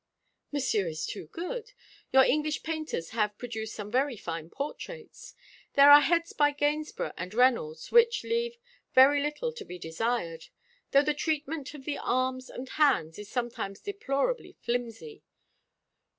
"Monsieur is too good. Your English painters have produced some very fine portraits. There are heads by Gainsborough and Reynolds which leave very little to be desired; though the treatment of the arms and hands is sometimes deplorably flimsy.